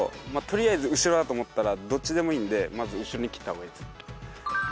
取りあえず後ろだと思ったらどっちでもいいんでまず後ろにきった方がいいですね。